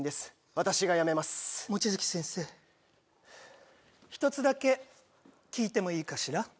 私が辞めます望月先生一つだけ聞いてもいいかしら？